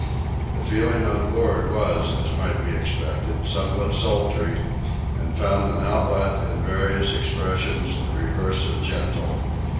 The feeling on board was, as might be expected, somewhat sultry, and found an outlet in various expressions the reverse of gentle.